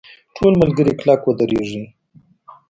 ټول ملګري کلک ودرېږئ!.